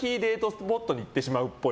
スポットに行ってしまうっぽい。